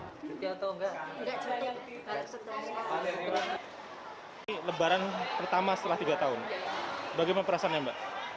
ini lebaran pertama setelah tiga tahun bagaimana perasaannya mbak